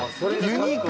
ユニーク！